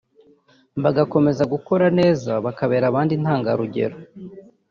bagakomeza gukora neza bakabera abandi intangarugero